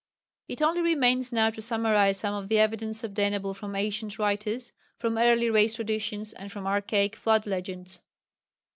_ It only remains now to summarize some of the evidence obtainable from ancient writers, from early race traditions, and from archaic flood legends.